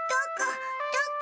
どこ？